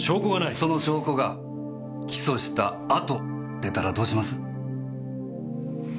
その証拠が起訴したあと出たらどうします？